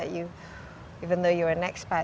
meskipun kamu seorang ekspat